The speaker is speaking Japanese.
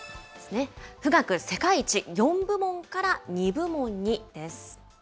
富岳、世界一、４部門から２部門にです。